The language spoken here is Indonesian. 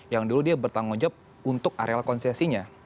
yang dulu dia bertanggung jawab untuk areal konsesinya